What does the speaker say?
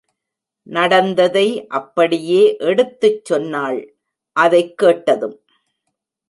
நடந்ததை அப்படியே எடுத்துச் சொன்னாள் அதைக் கேட்டதும்!